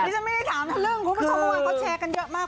ดิฉันไม่ได้ถามทั้งเรื่องคุณผู้ชมว่างเขาแชร์กันเยอะมาก